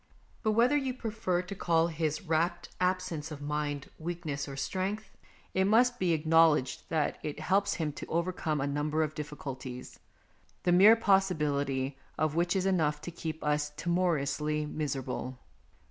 But whether you prefer to call his rapt absence of mind weakness or strength, it must be acknow ledged that it helps him to overcome a number of difficulties, the mere possibility of which is enough to keep us timorously miser able.